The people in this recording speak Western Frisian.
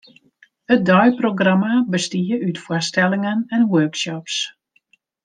It deiprogramma bestie út foarstellingen en workshops.